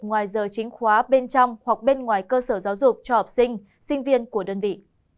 ngoài giờ chính khóa bên trong hoặc bên ngoài cơ sở giáo dục cho học sinh sinh viên của đơn vị